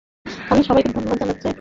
আমি সবাইকে ধন্যবাদ জানাতে চাই।